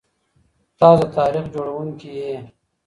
تاسو د تاريخ جوړونکي يئ.